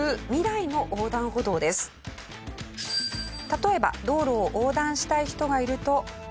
例えば道路を横断したい人がいると。